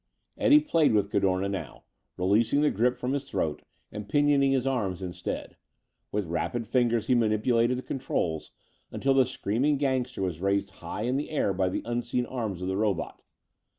Eddie played with Cadorna now, releasing the grip from his throat and pinioning his arms instead. With rapid fingers he manipulated the controls until the screaming gangster was raised high in the air by the unseen arms of the robot.